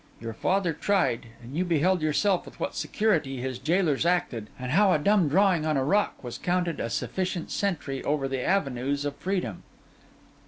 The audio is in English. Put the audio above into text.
Your father tried; and you beheld yourself with what security his jailers acted, and how a dumb drawing on a rock was counted a sufficient sentry over the avenues of freedom.